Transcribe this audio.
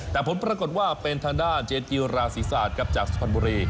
แต่ผลปรากฏว่าเป็นทางด้านเจนจิราศีศาสตร์ครับจากสุพรรณบุรี